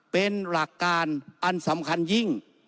เป็นหลักการอันสำคัญยิ่ง